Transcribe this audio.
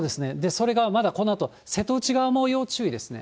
それがまだこのあと、瀬戸内側も要注意ですね。